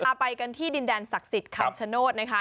ไปกันที่ดินแดนศักดิ์สิทธิ์คำชโนธนะคะ